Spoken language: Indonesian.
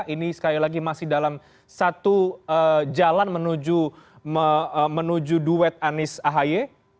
ini sekali lagi masih dalam satu jalan menuju duet anies ahy